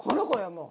もう。